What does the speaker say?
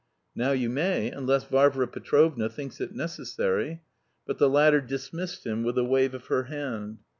"Now you may, unless Varvara Petrovna thinks it necessary..." But the latter dismissed him with a wave of her hand.